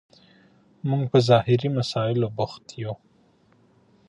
موږ په ظاهري مسایلو بوخت یو.